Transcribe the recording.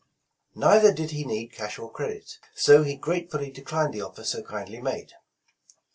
Neither did he need cash or credit, so he gratefully de clined the offer so kindly made.